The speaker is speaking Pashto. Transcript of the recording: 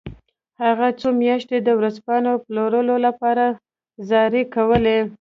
هغه څو میاشتې د ورځپاڼو پلورلو لپاره زارۍ کولې